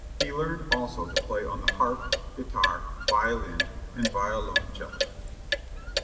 He learned also to play on the harp, guitar, violin, and violoncello.